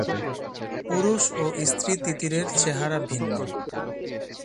পুরুষ ও স্ত্রী তিতিরের চেহারা ভিন্ন।